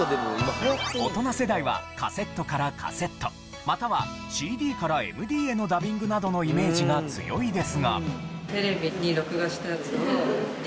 大人世代はカセットからカセットまたはＣＤからＭＤへのダビングなどのイメージが強いですが。